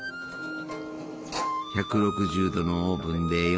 １６０℃のオーブンで４５分。